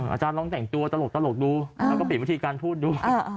อาจารย์ลองแต่งตัวตลกดูแล้วก็เปลี่ยนวิธีการพูดดู